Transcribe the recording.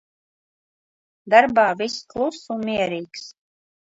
Darbā viss kluss un mierīgs.